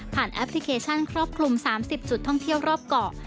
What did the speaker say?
แอปพลิเคชันครอบคลุม๓๐จุดท่องเที่ยวรอบเกาะ